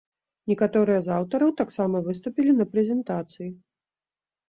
Некаторыя з аўтараў таксама выступілі на прэзентацыі.